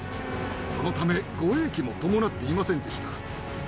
そのため護衛機も伴っていませんでした。